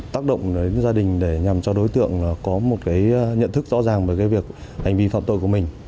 tác động đến gia đình để nhằm cho đối tượng có một cái nhận thức rõ ràng về cái việc hành vi phạm tội của mình